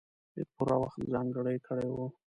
پوره وخت ځانګړی کړی وو.